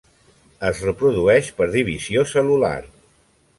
Es reprodueix per divisió cel·lular.